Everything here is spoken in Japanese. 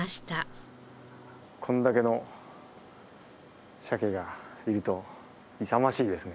これだけのサケがいると勇ましいですね。